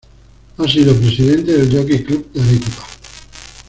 Ha sido Presidente del Jockey Club de Arequipa.